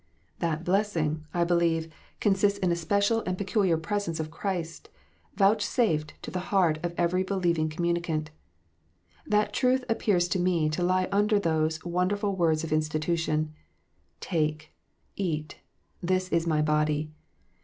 That blessing, I believe, con THE EEAL PRESENCE. 199 sists in a special and peculiar presence of Christ, vouchsafed to the heart of every believing communicant. That truth appears to me to lie under those wonderful words of institution, " Take, eat: this is My body."